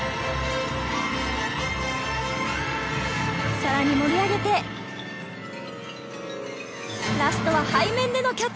さらに盛り上げて、ラストは背面でのキャッチ。